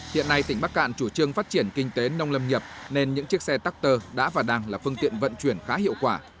hiện nay tỉnh bắc cạn chủ trương phát triển kinh tế nông lâm nghiệp nên những chiếc xe tắc tơ đã và đang là phương tiện vận chuyển khá hiệu quả